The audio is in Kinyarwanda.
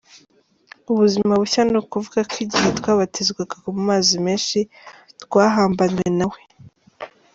Ubuzima bushya: Ni ukuvuga ko igihe twabatizwaga mu mazi menshi; twahambanywe na we.